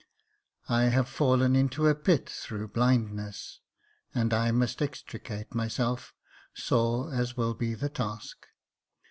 I have fallen into a pit through blindness, and I must extricate myself, sore as will be the task.